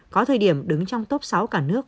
có thời điểm đứng trong top sáu cả nước